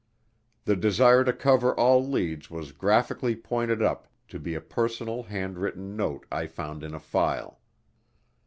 The desire to cover all leads was graphically pointed up to be a personal handwritten note I found in a file.